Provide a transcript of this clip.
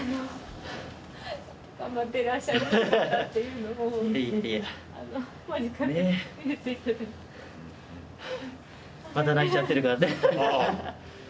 うわまた泣いちゃってるからね